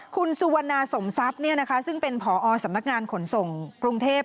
คุณสุวรรณาสมทรัพย์ซึ่งเป็นผอสำนักงานขนส่งกรุงเทพ